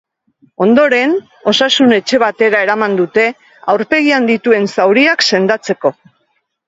Ondoren, osasun-etxe batera eraman dute, aurpegian dituen zauriak sendatzeko.